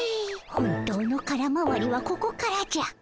本当の空回りはここからじゃ。